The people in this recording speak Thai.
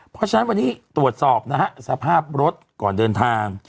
เพราะฉะนั้นวันนี้ตรวจสอบนะฮะสภาพรถก่อนเดินทาง